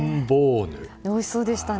おいしそうでしたね。